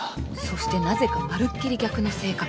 そしてなぜかまるっきり逆の性格に